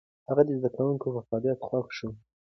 هغه د زده کوونکو په فعاليت خوښ شو.